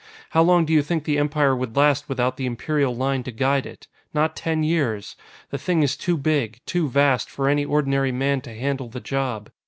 "How long do you think the Empire would last without the Imperial Line to guide it? Not ten years! The thing is too big, too vast, for any ordinary man to handle the job.